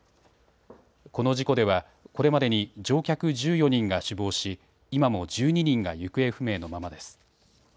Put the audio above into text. この事故ではこれまでに乗客１４人が死亡し今も１２人が行方不明のままです。